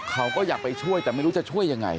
เขาก็อยากไปช่วยแต่ไม่รู้จะช่วยยังไง